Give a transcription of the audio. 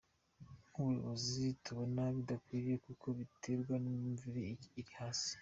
Nk’ubuyobozi tubona bidakwiriye kuko biterwa n’imyumvire iri hasi.